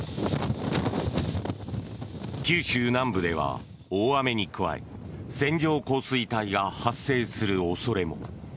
九州南部では大雨に加え線状降水帯が発生する恐れも。